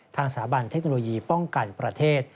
สาบันเทคโนโลยีป้องกันประเทศ